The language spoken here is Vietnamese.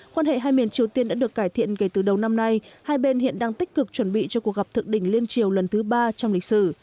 quan hệ hai miền triều tiên đã được cải thiện kể từ đầu năm nay hai bên hiện đang tích cực chuẩn bị cho cuộc gặp thượng đỉnh liên triều lần thứ ba trong lịch sử